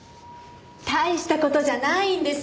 大した事じゃないんです。